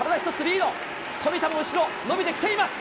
富田も後ろ、伸びてきています。